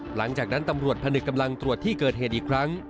หลังจากนั้นตำรวจพนึกกำลังตรวจที่เกิดเหตุอีกครั้ง